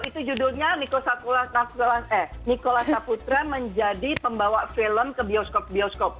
itu judulnya nikola saputra menjadi pembawa film ke bioskop bioskop